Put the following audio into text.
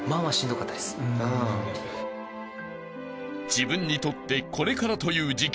［自分にとってこれからという時期に父が］